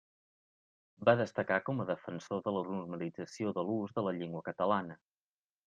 Va destacar com a defensor de la normalització de l’ús de la llengua catalana.